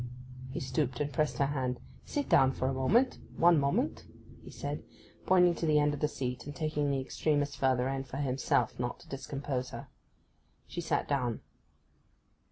He stooped, and pressed her hand. 'Sit down for a moment—one moment,' he said, pointing to the end of the seat, and taking the extremest further end for himself, not to discompose her. She sat down.